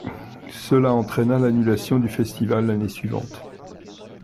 Cela entraîna l’annulation du festival l’année suivante.